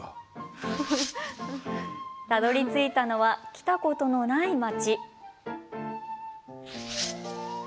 たどりついたのは来たことのない町。